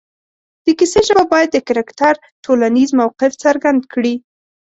د کیسې ژبه باید د کرکټر ټولنیز موقف څرګند کړي